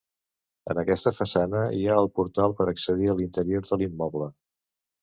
En aquesta façana hi ha el portal per accedir a l'interior de l'immoble.